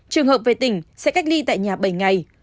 trường hợp về tỉnh sẽ cách ly tại nhà bảy ngày